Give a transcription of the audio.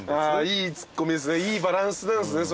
いいツッコミですねいいバランスなんすねそれ。